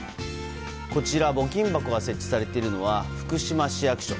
こちら、募金箱が設置されているのは福島市役所。